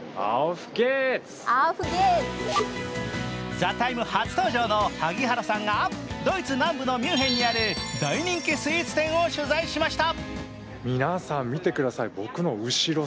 「ＴＨＥＴＩＭＥ，」初登場の萩原さんがドイツ南部のミュンヘンにある大人気スイーツ店を取材しました。